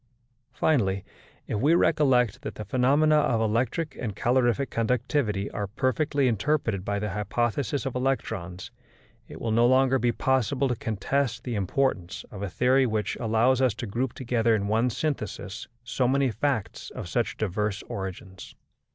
Finally, if we recollect that the phenomena of electric and calorific conductivity are perfectly interpreted by the hypothesis of electrons, it will no longer be possible to contest the importance of a theory which allows us to group together in one synthesis so many facts of such diverse origins.